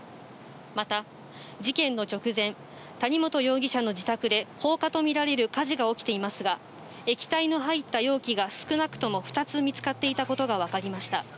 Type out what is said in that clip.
また、事件の直前、谷本容疑者の自宅で、放火と見られる火事が起きていますが、液体の入った容器が少なくとも２つ見つかっていたことが分かりました。